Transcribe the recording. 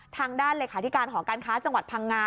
ทางด้านเลขาธิการหอการค้าจังหวัดพังงา